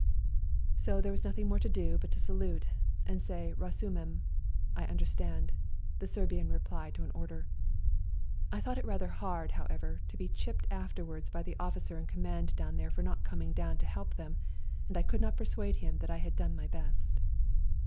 So there was nothing more to do but to salute and say " Rasumem " ("I under stand "), the Serbian reply to an order. I thought it rather hard, however, to be chipped afterwards by the officer in com mand down there for not coming down to help them and I could not persuade him that I had done my best.